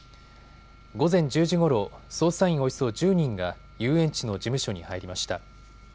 午前１０時ごろ、捜査員およそ１０人が遊園地の事務所に入りました。